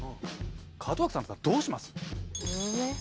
門脇さんだったらどうします？